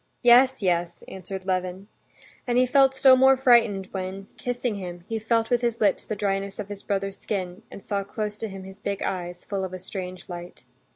"Yes, yes!" answered Levin. And he felt still more frightened when, kissing him, he felt with his lips the dryness of his brother's skin and saw close to him his big eyes, full of a strange light.